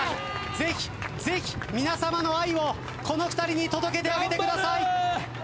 ぜひぜひ皆さまの愛をこの２人に届けてあげてください。